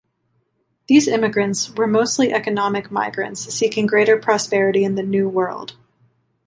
These immigrants were mostly economic migrants seeking greater prosperity in the New World.